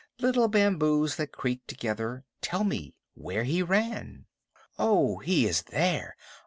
Little bamboos that creak together, tell me where he ran? Ow! He is there.